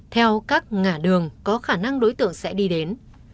theo các ngã đường có khả năng đối tượng sẽ đi đến